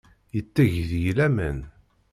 Yetteg deg-i laman.